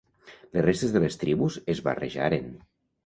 Les restes de les tribus es barrejaren.